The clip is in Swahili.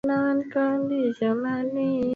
za kueneza lugha ya Kiswahili walijitahidi kufanya